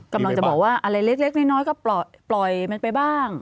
กำลังจะบอกว่าอะไรเล็กน้อยก็ปล่อยมันไปบ้าง